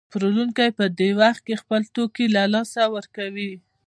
پلورونکی په دې وخت کې خپل توکي له لاسه ورکوي